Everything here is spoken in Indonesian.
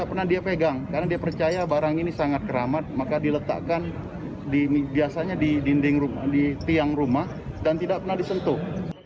karena dia pegang karena dia percaya barang ini sangat keramat maka diletakkan biasanya di tiang rumah dan tidak pernah disentuh